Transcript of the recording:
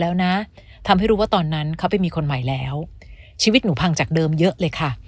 ว่าตอนนั้นเขาไปมีคนใหม่แล้วชีวิตหนูพังจากเดิมเยอะเลยค่ะ